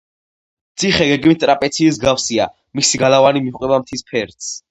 ციხე გეგმით ტრაპეციის მსგავსია, მისი გალავანი მიჰყვება მთის ფერდს.